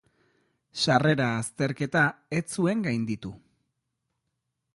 Sarrera azterketa ez zuen gainditu.